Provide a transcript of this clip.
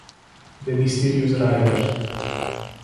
The Mysterious Rider